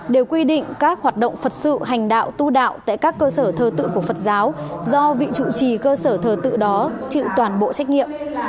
đều quy định các hoạt động phật sự hành đạo tu đạo tại các cơ sở thờ tự của phật giáo do vị chủ trì cơ sở thờ tự đó chịu toàn bộ trách nhiệm